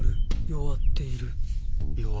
弱っている。